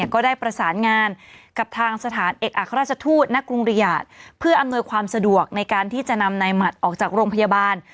ก็ได้ประสานงานกับทางสถานเอกอัครราชทูตณกรุงริยาทเพื่ออำนวยความสะดวกในการที่จะนำนายหมัดออกจากโรงพยาบาล